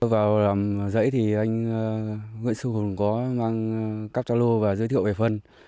vào làm rẫy thì anh nguyễn xu hùng có mang cáp tra lô và giới thiệu về phân